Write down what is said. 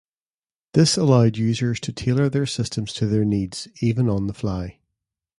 This allowed users to tailor their systems to their needs, even on the fly.